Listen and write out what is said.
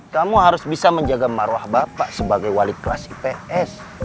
kamu harus bisa menjaga marwah bapak sebagai wali kelas ips